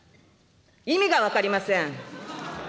意味が分かりません。